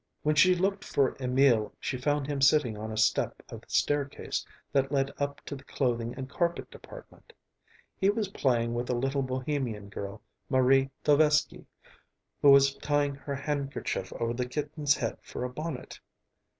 When she looked for Emil, she found him sitting on a step of the staircase that led up to the clothing and carpet department. He was playing with a little Bohemian girl, Marie Tovesky, who was tying her handkerchief over the kitten's head for a bonnet.